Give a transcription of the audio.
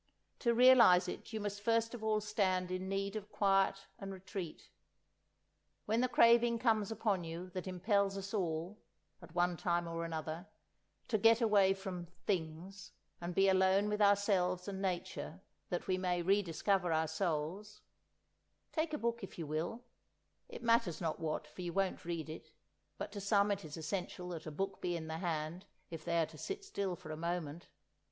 To realise it you must first of all stand in need of quiet and retreat. When the craving comes upon you that impels us all, at one time or another, to get away from "things" and be alone with ourselves and Nature that we may re discover our souls, take a book if you will (it matters not what, for you won't read it, but to some it is essential that a book be in the hand if they are to sit still for a moment!)